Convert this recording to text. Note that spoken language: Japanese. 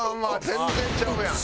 全然ちゃうやん。